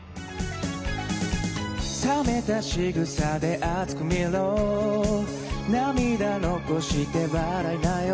「覚めたしぐさで熱く見ろ」「涙残して笑いなよ」